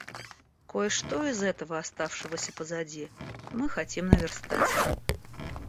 Кое-что из этого оставшегося позади мы хотим наверстать.